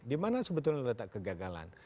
di mana sebetulnya anda kegagalan